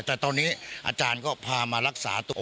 แต่ตอนนี้อาจารย์ก็พามารักษาตัว